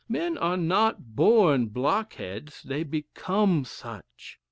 Men are not born blockheads; they become such.